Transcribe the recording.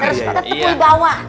terus kata tepul bawah